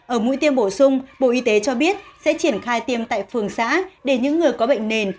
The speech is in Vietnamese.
ở mũi tiêm bổ sung bộ y tế cho biết sẽ triển khai tiêm tại phường xã để những người có bệnh nền